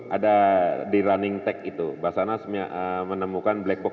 ada di running tech itu basanas menemukan black box